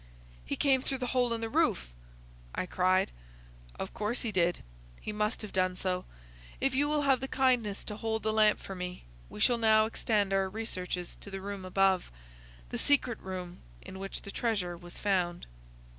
"He came through the hole in the roof," I cried. "Of course he did. He must have done so. If you will have the kindness to hold the lamp for me, we shall now extend our researches to the room above,—the secret room in which the treasure was found."